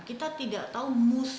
kita tidak tahu kapan pandemi berakhir